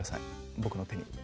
僕の手に。